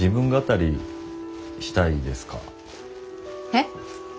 えっ！？